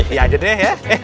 iya aja deh ya